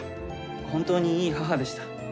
本当にいい母でした。